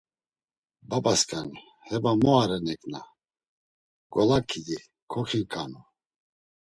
Babasǩani… Heva mu are, Neǩna… Golaǩidi koxinǩanu.